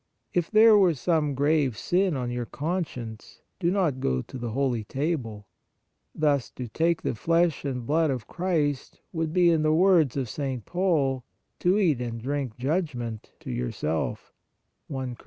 If there were some grave sin on your conscience, do not go to the Holy Table ; thus to take the Flesh and Blood of Christ would be, in the words of St. Paul, to eat and drink " judgement "* to * i Cor.